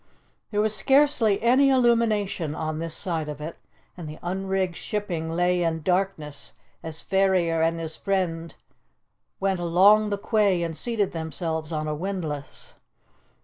There was scarcely any illumination on this side of it, and the unrigged shipping lay in darkness as Ferrier and his friend went along the quay and seated themselves on a windlass.